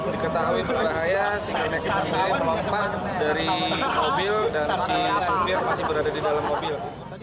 diketahui berbahaya sehingga mereka melompat dari mobil dan si supir masih berada di dalam mobil